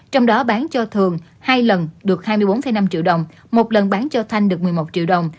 trong đó bán cho thường hai lần được hai mươi bốn năm triệu đồng một lần bán cho thanh được một mươi một triệu đồng